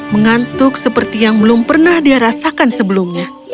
mengantuk seperti yang belum pernah dia rasakan sebelumnya